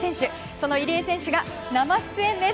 その入江選手が生出演です。